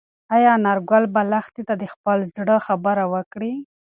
ایا انارګل به لښتې ته د خپل زړه خبره وکړي؟